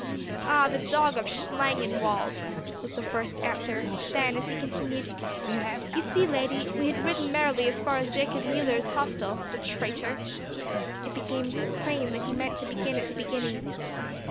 "Ah! the dog of Schlangenwald!" was the first answer; then, as he continued, "You see, lady, we had ridden merrily as far as Jacob Müller's hostel, the traitor," it became plain that he meant to begin at the beginning.